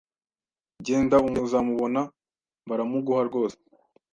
Genda umugeni uzamubona baramuguha rwose